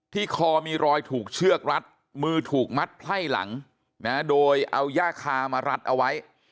คอมีรอยถูกเชือกรัดมือถูกมัดไพ่หลังโดยเอาย่าคามารัดเอาไว้